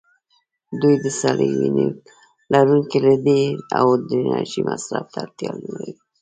دوی د سړې وینې لرونکي دي او د انرژۍ مصرف ته اړتیا نه لري.